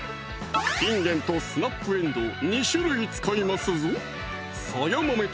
いんげんとスナップえんどう２種類使いますぞ